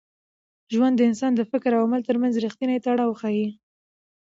ژوند د انسان د فکر او عمل تر منځ رښتینی تړاو ښيي.